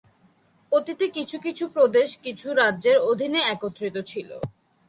অতীতে কিছু কিছু প্রদেশ কিছু রাজ্যের অধীনে একত্রিত ছিল।